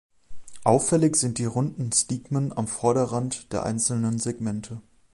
Auffällig sind die runden Stigmen am Vorderrand der einzelnen Segmente.